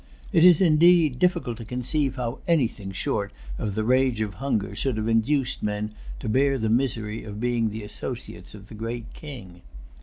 It is, indeed, difficult to conceive how anything short of the rage of hunger should have induced men to bear the misery of being the associates of the Great King.